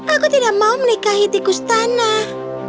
aku tidak mau menikahi tikus tanah